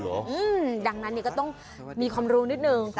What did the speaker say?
อืมดังนั้นเนี่ยก็ต้องมีความรู้นิดนึง